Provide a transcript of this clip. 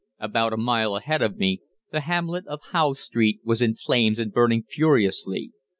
About a mile ahead of me the hamlet of Howe Street was in flames and burning furiously.